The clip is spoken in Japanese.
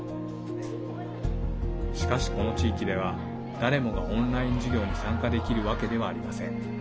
しかし、この地域では誰もがオンライン授業に参加できるわけではありません。